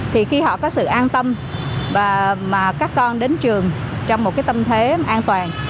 thì khi họ có sự an tâm và các con đến trường trong một cái tâm thế an toàn